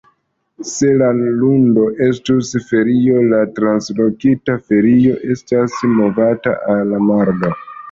Se la lundo estus ferio, la translokita ferio estas movata al la mardo.